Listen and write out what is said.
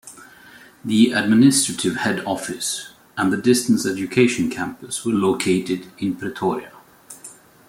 The administrative head office and the Distance Education Campus were located in Pretoria.